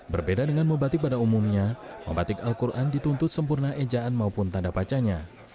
berbeda dengan membatik pada umumnya membatik al quran dituntut sempurna ejaan maupun tanda bacanya